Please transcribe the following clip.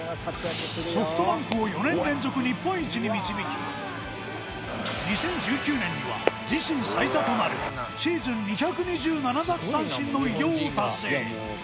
ソフトバンクを４年連続日本一に導き２０１９年には自身最多となるシーズン２２７奪三振の偉業を達成